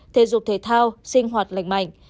thể dục thể thao sinh hoạt lạnh mạnh